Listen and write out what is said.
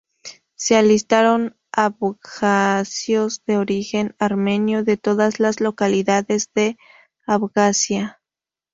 Se alistaron abjasios de origen armenio de todas las localidades de Abjasia.